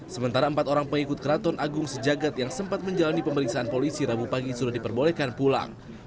sementara empat orang pengikut keraton agung sejagat yang sempat menjalani pemeriksaan polisi rabu pagi sudah diperbolehkan pulang